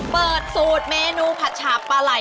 เปิดสูตรเมนูผัดฉาบปลาไหล่